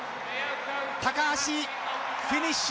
高橋フィニッシュ！